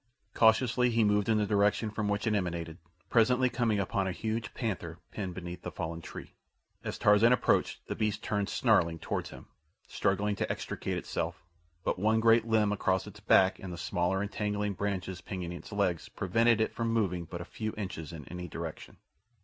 Cautiously he moved in the direction from which it emanated, presently coming upon a huge panther pinned beneath a fallen tree. As Tarzan approached, the beast turned, snarling, toward him, struggling to extricate itself; but one great limb across its back and the smaller entangling branches pinioning its legs prevented it from moving but a few inches in any direction.